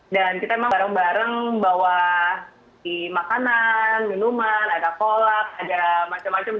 dan kita emang bareng bareng bawa makanan minuman ada kolak ada macam macam